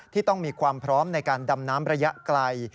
ที่ต้องมีความพร้อมในการดำน้ำระยะไกล